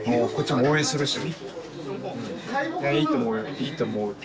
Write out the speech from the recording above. いいと思うよ。